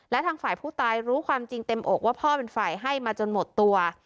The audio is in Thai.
และทางฝ่ายผู้ตายรู้ความจริงเต็มอกว่าพ่อเป็นฝ่ายให้มาจนหมดตัว